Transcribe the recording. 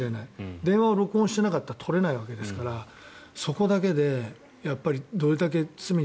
電話は録音していなかったら取れないわけですからそこだけでどれだけ罪に。